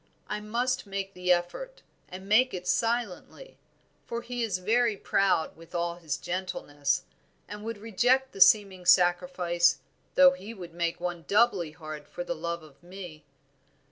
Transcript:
I must make the effort, and make it silently; for he is very proud with all his gentleness, and would reject the seeming sacrifice though he would make one doubly hard for love of me.